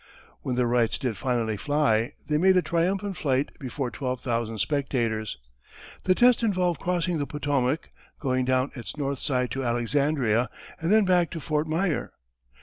When the Wrights did finally fly they made a triumphant flight before twelve thousand spectators. The test involved crossing the Potomac, going down its north side to Alexandria, and then back to Fort Myer.